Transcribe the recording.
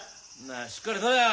しっかり取れよ。